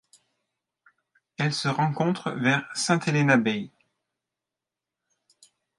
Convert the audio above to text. Elle se rencontre vers St Helena Bay.